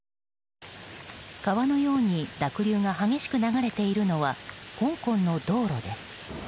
川のように濁流が激しく流れているのは香港の道路です。